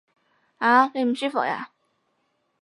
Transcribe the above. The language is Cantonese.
嗷！你唔舒服呀？